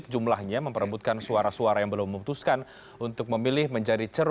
saya mau finals karir